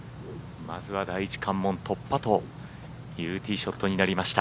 まずは第１関門突破というティーショットになりました。